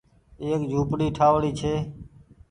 ايڪ جهوپڙي ٺآئوڙي ڇي